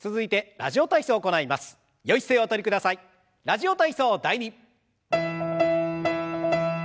「ラジオ体操第２」。